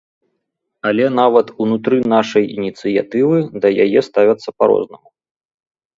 Але нават унутры нашай ініцыятывы да яе ставяцца па-рознаму.